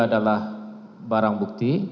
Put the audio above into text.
adalah barang bukti